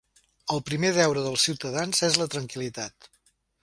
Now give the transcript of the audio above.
El primer deure dels ciutadans és la tranquil·litat